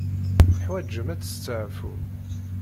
Teḥwaǧem ad testeɛfum.